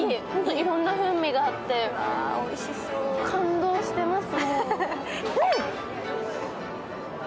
いろんな風味があって感動してます。